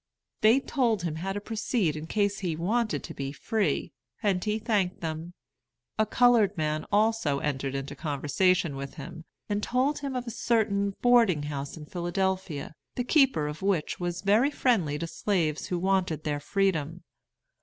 They told him how to proceed in case he wanted to be free, and he thanked them. A colored man also entered into conversation with him, and told him of a certain boarding house in Philadelphia, the keeper of which was very friendly to slaves who wanted their freedom.